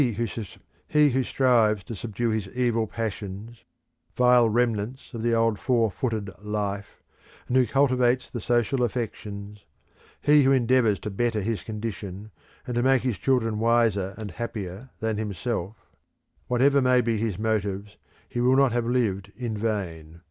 He who strives to subdue his evil passions vile remnants of the old four footed life and who cultivates the social affections: he who endeavours to better his condition, and to make his children wiser and happier than himself; whatever may be his motives, he will not have lived in vain.